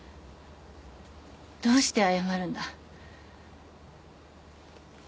どうして謝るんだ？